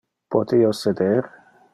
Pote io seder?